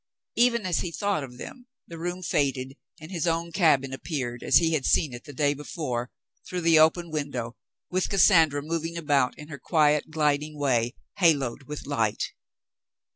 Even as he thought of them, the room faded and his own cabin appeared as he had seen it the day before, through the open window, with Cassandra moving about in her quiet, gliding way, haloed with light.